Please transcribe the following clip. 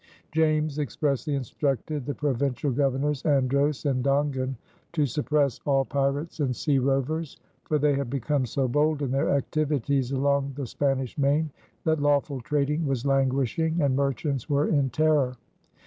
James expressly instructed the provincial Governors Andros and Dongan to suppress "all pirates and sea rovers," for they had become so bold in their activities along the Spanish Main that lawful trading was languishing and merchants were in terror.